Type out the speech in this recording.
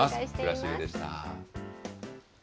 くらしりでした。